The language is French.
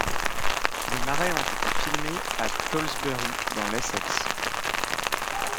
Les marais ont été filmés à Tollesbury, dans l'Essex.